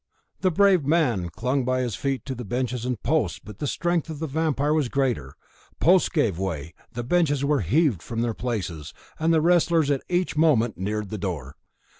The brave man clung by his feet to benches and posts, but the strength of the vampire was the greater; posts gave way, benches were heaved from their places, and the wrestlers at each moment neared the door.